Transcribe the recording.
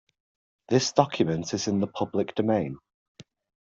This document is in the public domain.